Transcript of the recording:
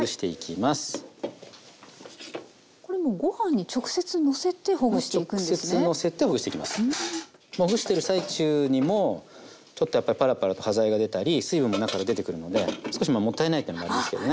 まあほぐしてる最中にもちょっとやっぱりパラパラと端材が出たり水分も中から出てくるので少しもったいないってのもあるんですけどね。